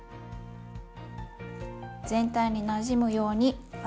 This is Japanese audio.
全体になじむように混ぜます。